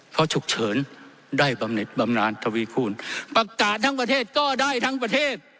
เพราะฉุกเฉินได้บำเน็ตบำนานทวีคูณประกาศทั้งประเทศก็ได้ทั้งประเทศ